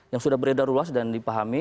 yang sudah beredar luas dan dipahami